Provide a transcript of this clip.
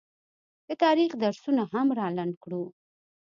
د تاریخ درسونه هم رالنډ کړو